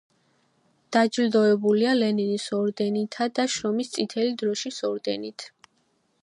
დაჯილდოებულია ლენინის ორდენითა და შრომის წითელი დროშის ორდენით.